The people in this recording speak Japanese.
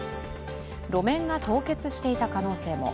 路面が凍結していた可能性も。